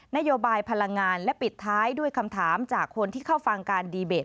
นโยบายพลังงานและปิดท้ายด้วยคำถามจากคนที่เข้าฟังการดีเบต